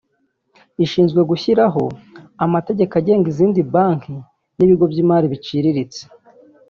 ishinzwe gushyiraho amategeko agenga izindi banki n’ibigo by’imari biciriritse